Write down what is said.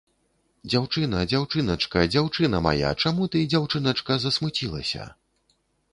Дзяўчына, дзяўчыначка, дзяўчына мая, чаму ты, дзяўчыначка, засмуцілася?